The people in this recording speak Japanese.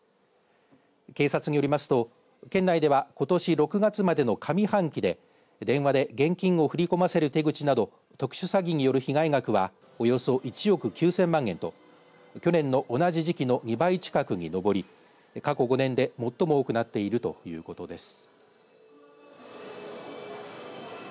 警察によりますと県内ではことし６月までの上半期で、電話で現金を振り込ませる手口など特殊詐欺による被害額はおよそ１億９０００万円と去年の同じ時期の２倍近くに上り過去５年で最も多くなっているということです。